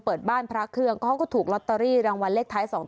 เปิดบ้านพระเครื่องเขาก็ถูกลอตเตอรี่รางวัลเลขท้าย๒๒